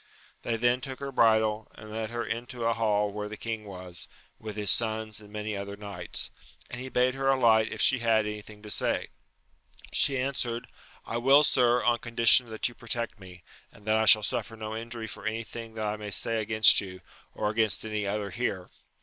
They then took her bridle, and led her into a hall where the king was, with his sons and many other knights, and \i<b\^^^\!L<^'^ i!i^;^\£. ^k<^ hadL any AMADtS OF GAUL 233 thing to say. She answered, I will, sir, on condition that you protect me, and that I shall suffer no injury for any thing that I may say against you, or against any other here.